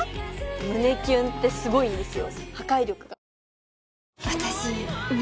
胸キュンってすごいんですよ